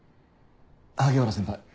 萩原先輩